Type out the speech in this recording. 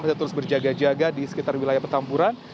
masih terus berjaga jaga di sekitar wilayah petampuran